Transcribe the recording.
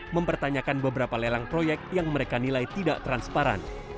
mempertanyakan beberapa lelang proyek yang mereka nilai tidak transparan